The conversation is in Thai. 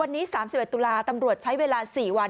วันนี้๓๑ตุลาตำรวจใช้เวลา๔วัน